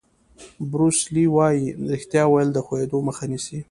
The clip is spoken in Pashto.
بروس لي وایي ریښتیا ویل د ښویېدو مخه نیسي.